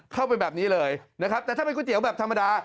เข้าไปแบบนี้เลยนะครับแต่ถ้าเป็นก๋วยเตี๋ยวแบบธรรมดา